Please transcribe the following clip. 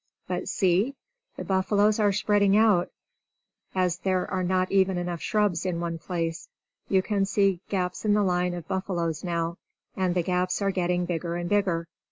But see! The buffaloes are spreading out, as there are not even enough shrubs in one place. You can see gaps in the line of buffaloes now. And the gaps are getting bigger and bigger!